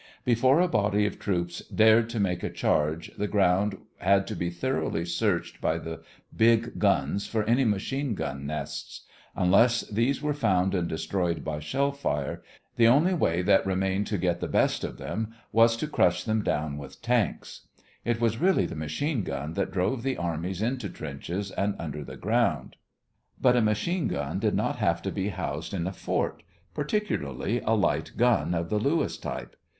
Before a body of troops dared to make a charge, the ground had to be thoroughly searched by the big guns for any machine gun nests. Unless these were found and destroyed by shell fire, the only way that remained to get the best of them was to crush them down with tanks. It was really the machine gun that drove the armies into trenches and under the ground. [Illustration: Comparative diagram of the path of a projectile from the German Super gun] But a machine gun did not have to be housed in a fort, particularly a light gun of the Lewis type.